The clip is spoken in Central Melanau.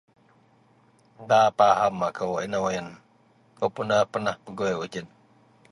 da paham akou inou wak ien, akou pun da pernah pegui wak ji ien